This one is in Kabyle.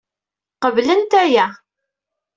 Qeblent aya.